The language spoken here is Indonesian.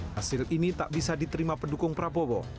hasil ini tak bisa diterima pendukung prabowo